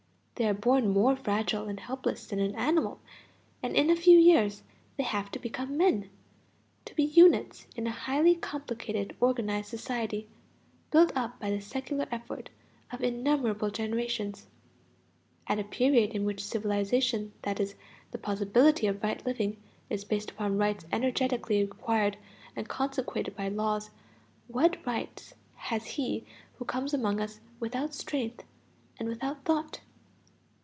They are born more fragile and helpless than an animal, and in a few years they have to become men, to be units in a highly complicated organized society, built up by the secular effort of innumerable generations. At a period in which civilization, that is, the possibility of right living, is based upon rights energetically acquired and consecrated by laws, what rights has he who comes among us without strength and without thought?